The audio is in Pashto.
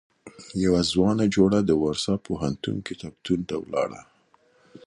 يوه ځوانه جوړه د وارسا پوهنتون کتابتون ته ولاړه.